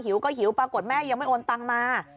หิวปรากฏแม่ยังไม่โอนตังมา